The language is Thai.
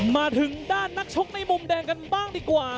มาถึงด้านนักชกในมุมแดงกันบ้างดีกว่า